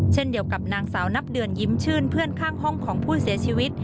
เช่นเดียวกับนางสาวนับเดือนยิ้มชื่นเพื่อนข้างห้องของผู้เสียชีวิต